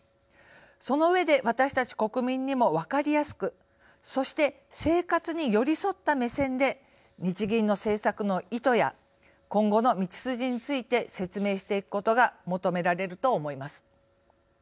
その上で私たち国民にもわかりやすくそして生活に寄り添った目線で日銀の政策の意図や今後の道筋について説明していくことが求められると思います。